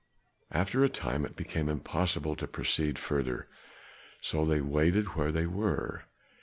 After a time it became impossible to proceed further, so they waited where they were.